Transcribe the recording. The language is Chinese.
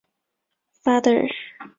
今敏后来认为此漫画并不成功。